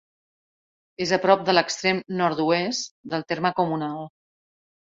És a prop de l'extrem nord-oest del terme comunal.